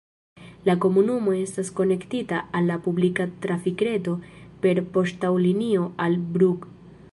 La komunumo estas konektita al la publika trafikreto per poŝtaŭtolinio al Brugg.